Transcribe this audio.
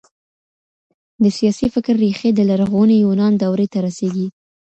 د سياسي فکر ريښې د لرغوني يونان دورې ته رسېږي.